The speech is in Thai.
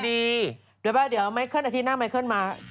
เอ่อแป๊บเรียนเนี้ย